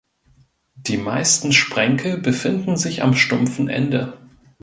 Die meisten Sprenkel befinden sich am stumpfen Ende.